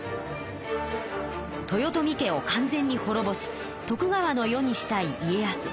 豊臣家を完全にほろぼし徳川の世にしたい家康。